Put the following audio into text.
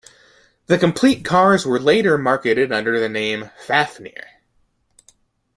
The complete cars were later marketed under the name "Fafnir".